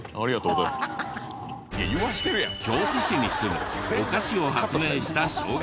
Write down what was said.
京都市に住むお菓子を発明した小学生。